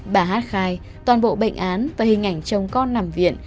bà hát khai toàn bộ bệnh án và hình ảnh chồng con nằm viện